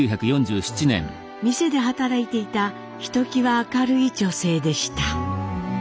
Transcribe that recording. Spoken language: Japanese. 店で働いていたひときわ明るい女性でした。